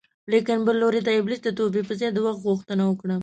لاکن بل لور ته ابلیس د توبې په ځای د وخت غوښتنه وکړه